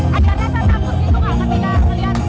tahan sampai akhir nanti